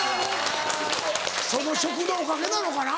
その食のおかげなのかな？